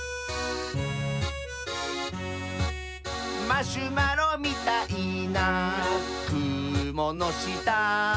「マシュマロみたいなくものした」